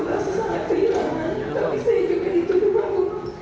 tapi saya juga ditutupi